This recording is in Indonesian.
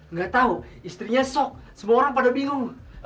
nggak tahu istrinya sok semua orang pada bingung